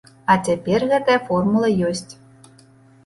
А цяпер гэтая формула ёсць.